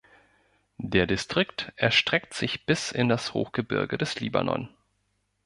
Der Distrikt erstreckt sich bis in das Hochgebirge des Libanon.